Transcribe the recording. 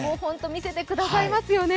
見せてくださいますよね。